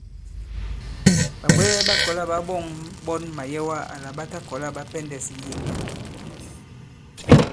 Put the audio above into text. Ɓàbwɛɛ ɓa kɔ̀la ɓa ɓɔ̂ŋ ɓɔn màyɛwa lā ɓa ta kɔ̀la ɓa pɛndɛ̄s ŋ̀yeŋga.